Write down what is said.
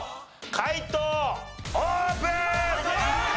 解答オープン！